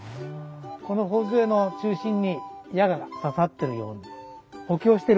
この頬杖の中心に矢が刺さってるように補強してるわけです。